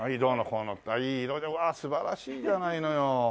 いい色でわあ素晴らしいじゃないのよ。